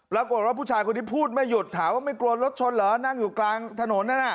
ปรากฏว่าผู้ชายคนนี้พูดไม่หยุดถามว่าไม่กลัวรถชนเหรอนั่งอยู่กลางถนนนั่นน่ะ